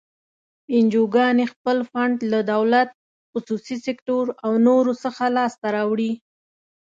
انجوګانې خپل فنډ له دولت، خصوصي سکتور او نورو څخه لاس ته راوړي.